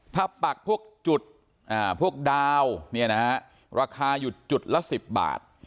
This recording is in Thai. ถ้าปักพวกจุดพวกดาวเนี่ยนะฮะราคาอยู่จุดละ๑๐บาท